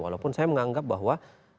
walaupun saya menganggap bahwa